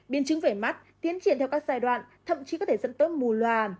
biên chứng về mắt tiến triển theo các giai đoạn thậm chí có thể dẫn tới mù loà